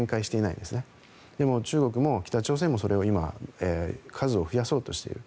でも、中国も北朝鮮も今、数を増やそうとしている。